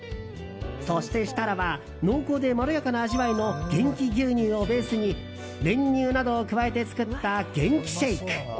そして設楽は濃厚でまろやかな味わいのゲンキ牛乳をベースに練乳などを加えて作ったゲンキシェイク。